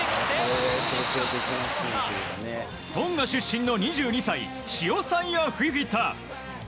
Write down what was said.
トンガ出身の２２歳シオサイア・フィフィタ。